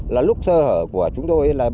là lúc sơ hở của chúng tôi